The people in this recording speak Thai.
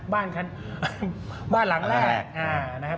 บ้านหลังแรกนะครับ